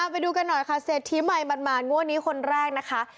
ไปดูกันหน่อยค่ะเศรษฐีใหม่หมานงวดนี้คนแรกนะคะ